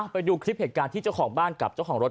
ไปดูคลิปเหตุการณ์ที่เจ้าของบ้านกับเจ้าของรถ